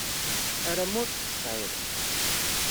Aram ur t-tesεiḍ.